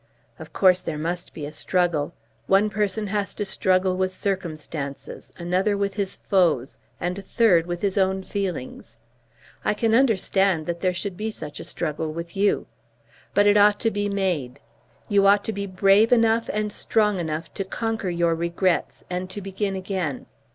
Of course there must be a struggle. One person has to struggle with circumstances, another with his foes, and a third with his own feelings. I can understand that there should be such a struggle with you; but it ought to be made. You ought to be brave enough and strong enough to conquer your regrets, and to begin again.